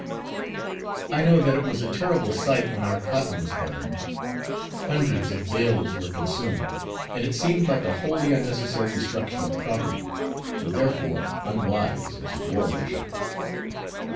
I know that it was a terrible sight when our cotton was burned. Hundreds of bales were consumed, and it seemed like a wholly unnecessary destruction of property, and, therefore, unwise as a war measure.